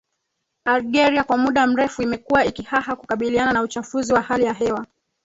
Algeria kwa muda mrefu imekuwa ikihaha kukabiliana na uchafuzi wa hali ya hewa